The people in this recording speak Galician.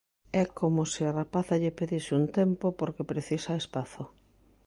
É como se a rapaza lle pedise un tempo porque precisa espazo.